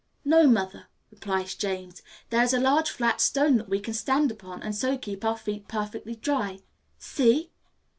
"No, mother," replies James, "there is a large flat stone that we can stand upon, and so keep our feet perfectly dry. See!"